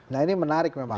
nah ini menarik memang